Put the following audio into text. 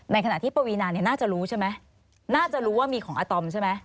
ในขณะที่ปวีนาเนี่ยน่าจะรู้ใช่ไหมน่าจะรู้ว่ามีของอาตอมใช่ไหม